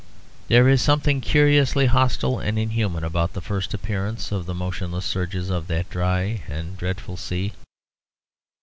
There is something curiously hostile and inhuman about the first appearance of the motionless surges of that dry and dreadful sea.